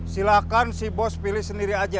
silahkan si bos pilih sendiri aja